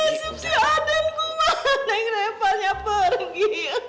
nasib keadaanku malah yang reparnya pergi